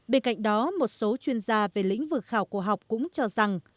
bên cạnh đó một số chuyên gia về lĩnh vực khảo cổ học cũng cho rằng